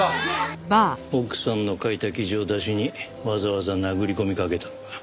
奥さんの書いた記事をダシにわざわざ殴り込みかけたのか。